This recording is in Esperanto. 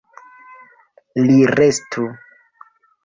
Li restu.